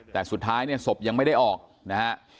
แต่สุดท้ายเนี่ยศพยังไม่ได้ออกนะฮะ